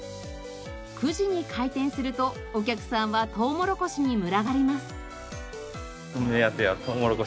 ９時に開店するとお客さんはとうもろこしに群がります。